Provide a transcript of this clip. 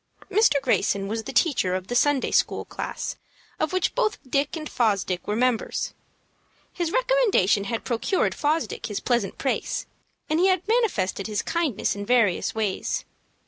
Mr. Greyson was the teacher of the Sunday school class of which both Dick and Fosdick were members. His recommendation had procured Fosdick his present place, and he had manifested his kindness in various ways.